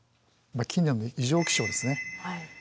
近年の異常気象ですね。